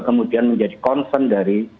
kemudian menjadi concern dari